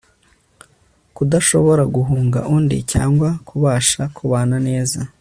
Kudashobora guhunga undi cyangwa kubasha kubana neza